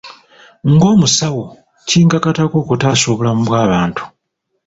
Ng'omusawo, kinkakatako okutaasa obulamu bw'abantu.